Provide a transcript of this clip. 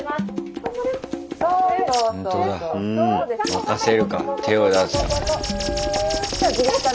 任せるか手を出すか。